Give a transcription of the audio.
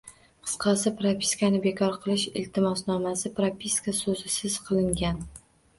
Qisqasi, propiskani bekor qilish iltimosnomasi "propiska" so'zisiz qilingan